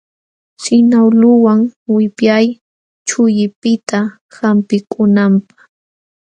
Sinawluwan wipyay chullipiqta hampikunanpaq.